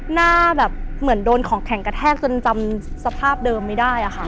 หน้าแบบเหมือนโดนของแข็งกระแทกจนจำสภาพเดิมไม่ได้อะค่ะ